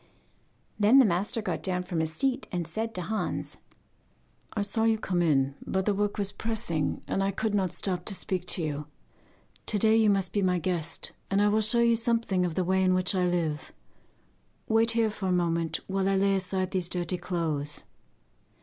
Then the master got down from his seat and said to Hans: 'I saw you come in, but the work was pressing, and I could not stop to speak to you. To day you must be my guest, and I will show you something of the way in which I live. Wait here for a moment, while I lay aside these dirty clothes.